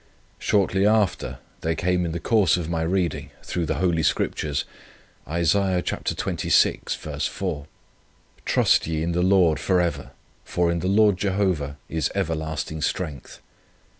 Shortly after there came in the course of my reading, through the Holy Scriptures, Isaiah xxvi, 4, 'Trust ye in the Lord for ever; for in the Lord Jehovah is everlasting strength.'